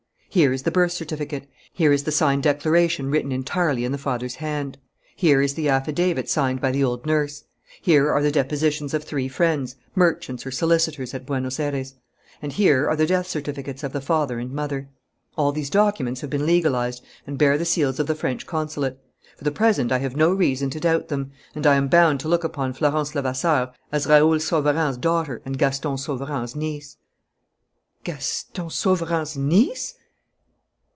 "Here is the birth certificate. Here is the signed declaration written entirely in the father's hand. Here is the affidavit signed by the old nurse. Here are the depositions of three friends, merchants or solicitors at Buenos Ayres. And here are the death certificates of the father and mother. "All these documents have been legalized and bear the seals of the French consulate. For the present, I have no reason to doubt them; and I am bound to look upon Florence Levasseur as Raoul Sauverand's daughter and Gaston Sauverand's niece." "Gaston Sauvarand's niece?